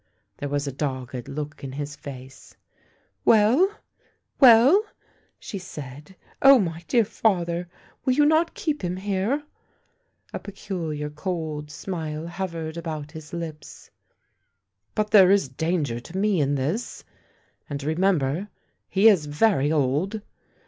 There was a dogged look in his face. " Well ? well ?" she said. " Oh, my dear father !— will you not keep him here ?" A peculiar cold smile hovered about his lips. " But there is danger to me in this ... and remember, he is very old